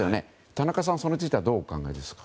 田中さん、それについてはどうお考えですか？